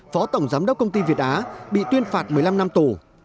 phó tổng giám đốc công ty việt á bị tuyên phạt một mươi năm năm tù